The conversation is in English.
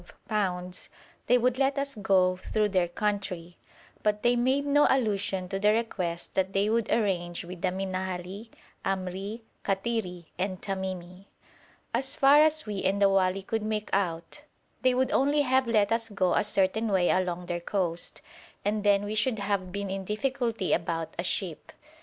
_, they would let us go through their country, but they made no allusion to the request that they would arrange with the Minhali, Amri, Kattiri, and Tamimi. As far as we and the wali could make out, they would only have let us go a certain way along their coast, and then we should have been in difficulty about a ship.